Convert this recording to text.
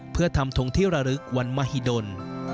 เพื่อทำทงที่ระลึกวันมหิดล